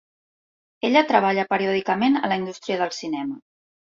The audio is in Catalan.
Ella treballa periòdicament a la indústria del cinema.